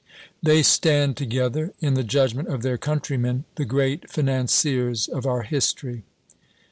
They stand together, in the judgment of their countrymen, the great financiers of our history.